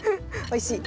おいしい？